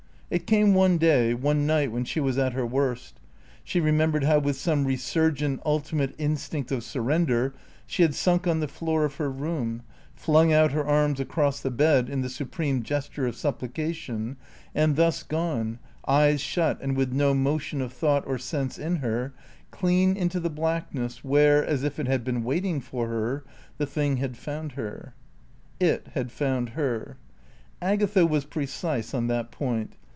It came one day, one night when she was at her worst. She remembered how with some resurgent, ultimate instinct of surrender she had sunk on the floor of her room, flung out her arms across the bed in the supreme gesture of supplication, and thus gone, eyes shut and with no motion of thought or sense in her, clean into the blackness where, as if it had been waiting for her, the thing had found her. It had found her. Agatha was precise on that point.